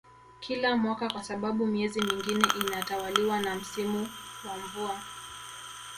kila mwaka kwa sababu miezi mingine inatawaliwa na msimu wa mvua